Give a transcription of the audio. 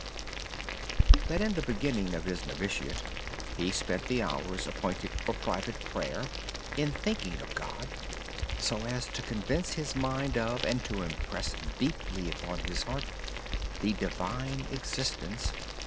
He noted that in the beginning of his novitiate he spent the hours appointed for private prayer in thinking of God so as to convince his mind and impress deeply upon his heart the Divine existence.